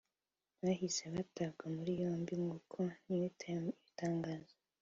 bahise batabwa muri yombi nk’uko Newtimes ibitangaza